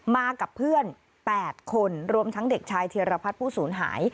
มากับเพื่อน๘คนรวมทั้งเด็กชายธีรพัฒน์ผู้สูญหาย